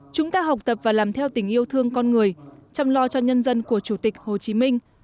chúng ta học tập và làm theo tình yêu thương con người chăm lo cho nhân dân của chủ tịch hồ chí minh